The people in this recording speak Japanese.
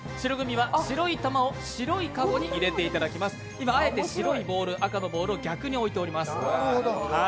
今、あえて白いボール赤のボールを逆においております。